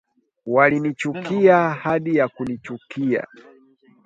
Walinichukia hadi ya kunichukia